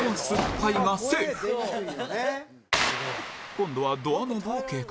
今度はドアノブを警戒